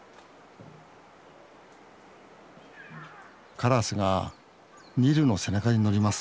カラスがニルの背中に乗ります。